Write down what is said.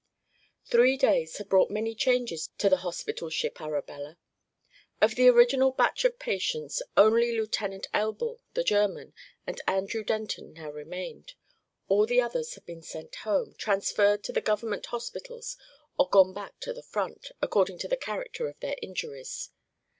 Three days had brought many changes to the hospital ship Arabella. Of the original batch of patients only Lieutenant Elbl, the German, and Andrew Denton now remained. All the others had been sent home, transferred to the government hospitals or gone back to the front, according to the character of their injuries.